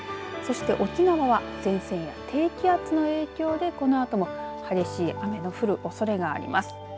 沖縄は前線低気圧の影響でこのあとも激しい雨の降るおそれがあります。